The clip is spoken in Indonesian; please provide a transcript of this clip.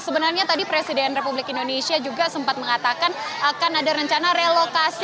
sebenarnya tadi presiden republik indonesia juga sempat mengatakan akan ada rencana relokasi